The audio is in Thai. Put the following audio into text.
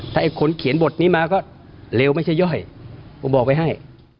ถ้าไอ้คนเขียนบทนี้มาก็เร็วไม่ใช่ย่อยผมบอกไว้ให้